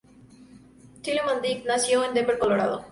Tillemann-Dick nació en Denver, Colorado.